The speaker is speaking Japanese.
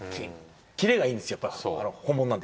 キレがいいんですやっぱ本物なんで。